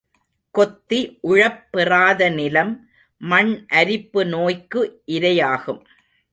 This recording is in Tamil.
கொத்தி உழப்பெறாத நிலம் மண் அரிப்பு நோய்க்கு இரையாகும்.